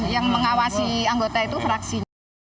yang mengawasi anggota itu fraksinya